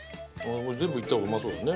全部いった方がうまそうだよね。